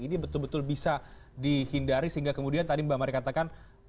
ini betul betul bisa dihindari sehingga kemudian tadi mbak mari katakan